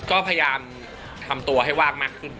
ก็พยายามทำตัวให้ว่างมากขึ้น